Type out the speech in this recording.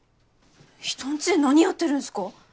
人ん家で何やってるんすか？